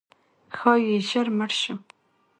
ښایي ژر مړ شم؛